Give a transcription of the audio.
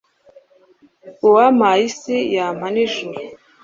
uwampaye isi, yampa nijuru